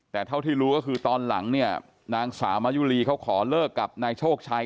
แต่เท่าที่รู้ก็คือตอนหลังเนี่ยนางสาวมายุรีเขาขอเลิกกับนายโชคชัย